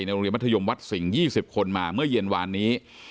โรงเรียนมัธยมวัดสิงห์๒๐คนมาเมื่อเย็นวานนี้